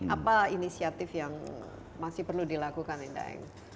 apa inisiatif yang masih perlu dilakukan ndeng